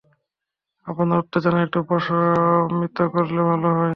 আপনার উত্তেজনা একটু প্রশমিত করলে ভালো হয়।